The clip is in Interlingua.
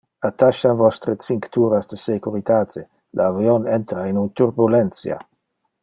Attacha vostre cincturas de securitate, le avion entra in un turbulentia.